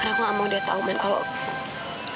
karena aku gak mau dia tau man kalau